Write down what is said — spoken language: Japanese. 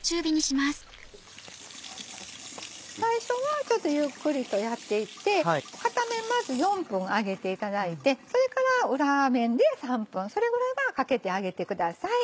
最初はちょっとゆっくりとやっていって片面まず４分揚げていただいてそれから裏面で３分それぐらいかけて揚げてください。